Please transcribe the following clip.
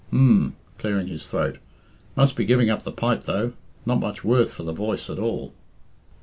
h'm!" clearing his throat, "must be giving up the pipe, though. Not much worth for the voice at all."